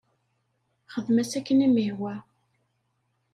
Xdem-as akken i m-ihwa.